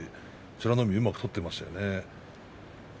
美ノ海、うまく取っていました。